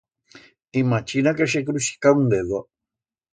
Imachina que se cruixca un dedo.